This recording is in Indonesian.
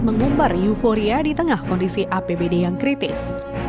mengumbar euforia di tengah kondisi apbd yang kritis